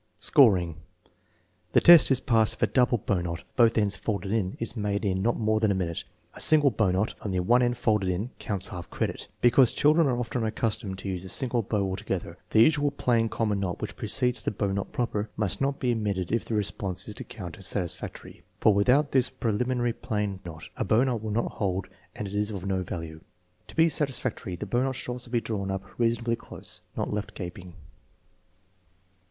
Scoring. The test is passed if a double bow knot (both ends folded in) is made in not more than a minute. A single bow knot (only one end folded in) counts half credit, be cause children are often accustomed to use the single bow altogether. The usual plain common knot, which precedes the bow knot proper, must not be omitted if the response is to count as satisfactory, for without this preliminary plain knot a bow knot will not hold and is of no value. To be satisfactory the knot should also be drawn up reason ably close, not left gaping.